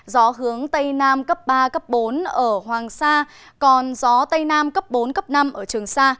gió hướng tây nam cấp ba bốn ở hoàng sa còn gió tây nam cấp bốn cấp năm ở trường sa